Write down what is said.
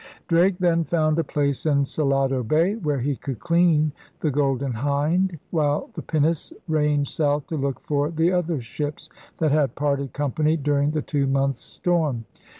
Drake then found a place in Salado Bay where he could clean the Golden Hind while the pinnace ranged south to look for the other ships that had parted company during the two months' storm.